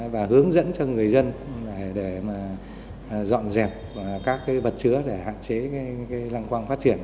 và hướng dẫn cho người dân để mà dọn dẹp các cái vật chứa để hạn chế cái lăng quăng phát triển